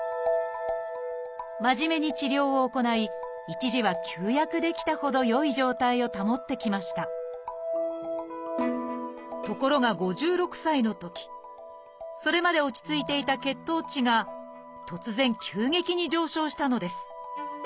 真面目に治療を行い一時は休薬できたほど良い状態を保ってきましたところが５６歳のときそれまで落ち着いていた血糖値が突然急激に上昇したのです。